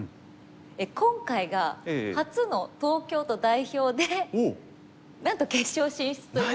今回が初の東京都代表でなんと決勝進出という。